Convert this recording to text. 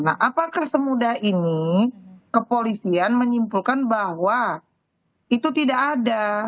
nah apakah semudah ini kepolisian menyimpulkan bahwa itu tidak ada